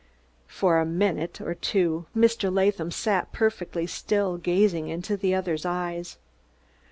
For a minute or two Mr. Latham sat perfectly still, gazing into the other's eyes.